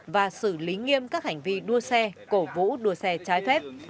và xử lý nghiêm các hành vi đua xe cổ vũ đua xe trái phép